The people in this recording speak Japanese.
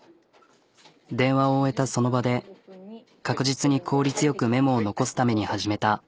電話を終えたその場で確実に効率よくメモを残すために始めた。